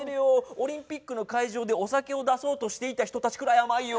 オリンピックの会場でお酒を出そうとしていた人たちくらいあまいよ。